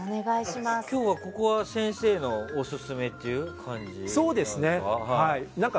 今日は、先生のオススメという感じなんですか？